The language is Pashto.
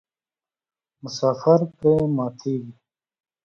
مسافر پرې ماتیږي.